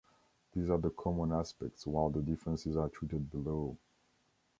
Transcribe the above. These are the common aspects, while the differences are treated below.